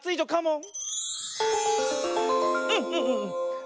うん。